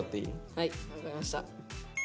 はい分かりました。